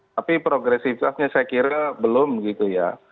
tapi progresifnya saya kira belum begitu ya